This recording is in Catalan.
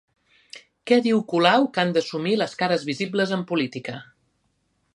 Què diu Colau que han d'assumir les cares visibles en política?